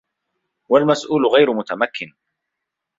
وَالْمَسْئُولُ غَيْرَ مُتَمَكِّنٍ